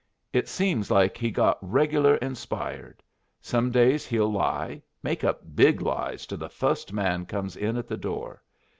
It seems like he got reg'lar inspired. Some days he'll lie make up big lies to the fust man comes in at the door.